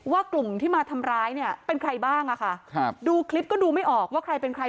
ว่ากลุ่มที่มาทำร้ายเนี่ยเป็นใครบ้างอ่ะค่ะครับดูคลิปก็ดูไม่ออกว่าใครเป็นใคร